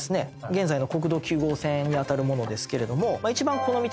現在の国道９号線にあたるものですけれども。